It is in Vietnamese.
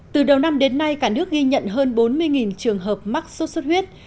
từ đầu năm đến nay cả nước ghi nhận hơn bốn mươi trường hợp mắc sốt xuất huyết